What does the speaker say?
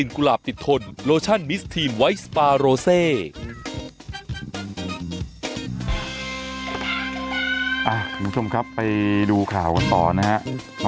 คุณผู้ชมครับไปดูข่าวกันต่อนะฮะ